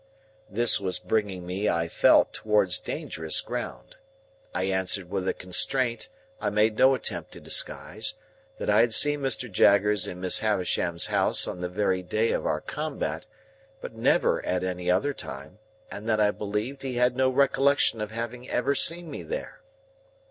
This was bringing me (I felt) towards dangerous ground. I answered with a constraint I made no attempt to disguise, that I had seen Mr. Jaggers in Miss Havisham's house on the very day of our combat, but never at any other time, and that I believed he had no recollection of having ever seen me there.